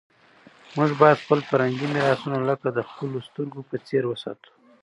موږ باید خپل فرهنګي میراثونه لکه د خپلو سترګو په څېر وساتو.